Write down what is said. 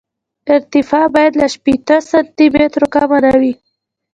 ارتفاع باید له شپېته سانتي مترو کمه نه وي